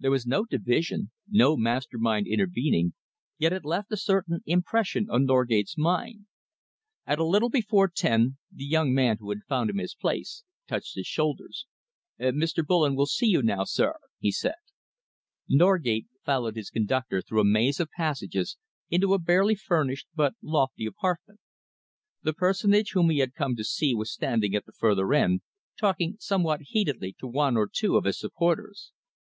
There was no division, no master mind intervening, yet it left a certain impression on Norgate's mind. At a little before ten, the young man who had found him his place touched his shoulder. "Mr. Bullen will see you now, sir," he said. Norgate followed his conductor through a maze of passages into a barely furnished but lofty apartment. The personage whom he had come to see was standing at the further end, talking somewhat heatedly to one or two of his supporters.